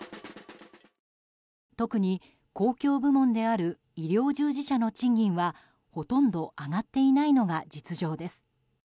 特に、公共部門である医療従事者の賃金はほとんど上がっていないのが実情です。